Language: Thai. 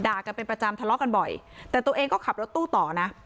กันเป็นประจำทะเลาะกันบ่อยแต่ตัวเองก็ขับรถตู้ต่อนะ